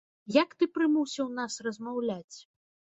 А як ты прымусіў нас размаўляць?